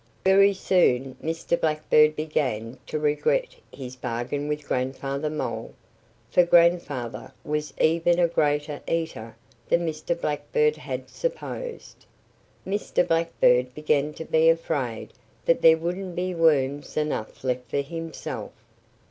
Very soon Mr. Blackbird began to regret his bargain with Grandfather Mole, for Grandfather was even a greater eater than Mr. Blackbird had supposed. Mr. Blackbird began to be afraid that there wouldn't be worms enough left for himself.